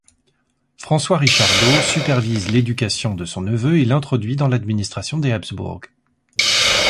François Richardot supervise l'éducation de son neveu et l'introduit dans l'administration des Habsbourg.